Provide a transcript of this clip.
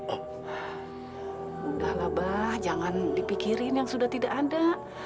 sudahlah abah jangan dipikirin yang sudah tidak ada